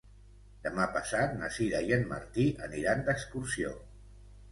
Demà passat na Sira i en Martí aniran d'excursió.